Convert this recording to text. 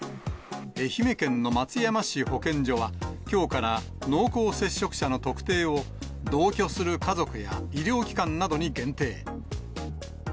愛媛県の松山市保健所は、きょうから濃厚接触者の特定を、同居する家族や医療機関などに限定。